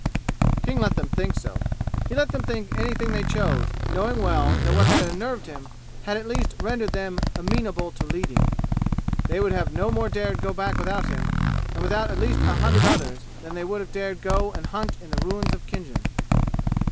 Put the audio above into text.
King let them think so. He let them think anything they chose, knowing well that what had unnerved him had at least rendered them amenable to leading. They would have no more dared go back without him, and without at least a hundred others, than they would have dared go and hunt in the ruins of Khinjan.